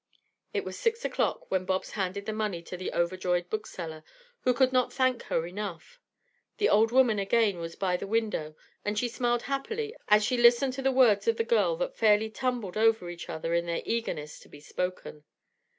It was six o'clock when Bobs handed the money to the overjoyed bookseller, who could not thank her enough. The little old woman again was by the window and she smiled happily as she listened to the words of the girl that fairly tumbled over each other in their eagerness to be spoken.